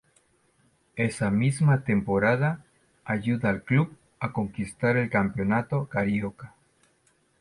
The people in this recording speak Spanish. Esa misma temporada ayuda al club a conquistar el Campeonato Carioca.